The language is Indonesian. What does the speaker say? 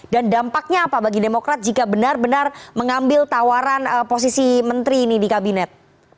dan dampaknya apa bagi demokrat jika benar benar mengambil tawaran posisi menteri ini di kabinet